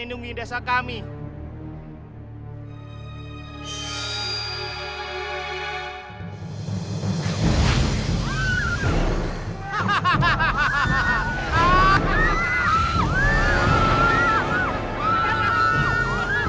kencontohkan kaulah two